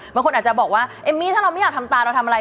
บางคนอาจจะบอกว่าเอมมี่ถ้าเราไม่อยากทำตาเราทำอะไร